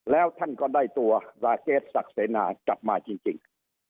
แล้วท่านก็ได้ตัวลาเกสศักดิ์เสนากลับมาจริง